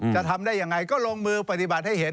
จะทำได้ยังไงก็ลงมือปฏิบัติให้เห็น